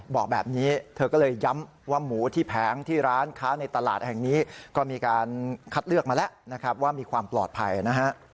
บอกแบบนี้เธอก็เลยย้ำว่าหมูที่แผงที่ร้านค้าในตลาดแห่งนี้ก็มีการคัดเลือกมาแล้วนะครับว่ามีความปลอดภัยนะฮะ